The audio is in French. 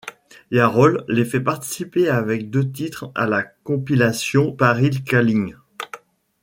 Yarol les fait participer avec deux titres à la compilation Paris Calling.